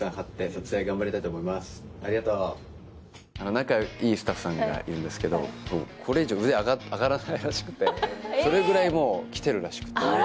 仲いいスタッフさんがいるんですけど、これ以上腕が上がらないらしくて、それぐらいきてるらしくて。